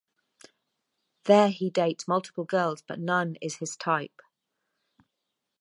There he dates multiple girls but none is his type.